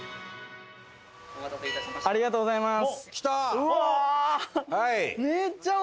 ありがとうございます。